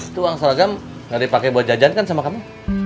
itu angsela gam gak dipake buat jajan kan sama kamu